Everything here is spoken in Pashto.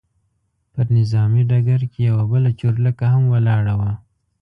پر نظامي ډګر کې یوه بله چورلکه هم ولاړه وه.